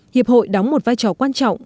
hiệp hội đóng một vai trò quan trọng